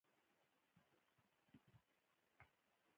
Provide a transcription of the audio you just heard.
آیا دا کار له تناقض پرته کېدای شي؟